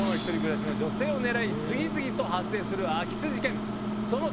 １人暮らしの女性を狙い次々と発生する空き巣事件。